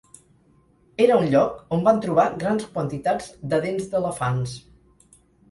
Era un lloc on van trobar grans quantitats de dents d'elefants.